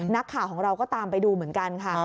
นักข่าวของเราก็ตามไปดูเหมือนกันค่ะ